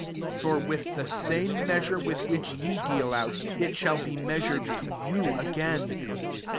For with the same measure ith which ye deal out, it shall i measured to you again.